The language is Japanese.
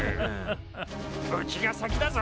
うちが先だぞ。